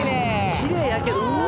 きれいやけどうわ！